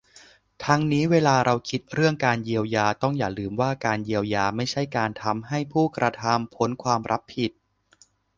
ทั้งนี้เวลาเราคิดเรื่องการเยียวยา ต้องอย่าลืมว่า การเยียวยาไม่ใช่การทำให้ผู้กระทำพ้นความรับผิด